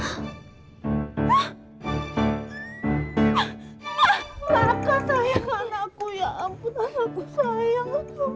raka sayangkan aku ya ampun aku sayang